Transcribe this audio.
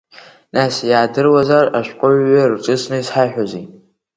Нас иаадыруазар, ашәҟәыҩҩы ирҿыцны изҳаиҳәозеи?